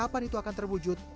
kapan itu akan terwujud